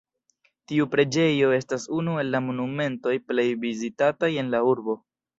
Tiu preĝejo estas unu el la monumentoj plej vizitataj en la urbo.